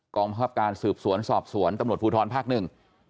บังคับการสืบสวนสอบสวนตำรวจภูทรภาคหนึ่ง